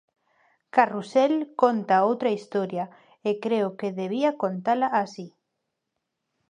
'Carrusel' conta outra historia, e creo que debía contala así.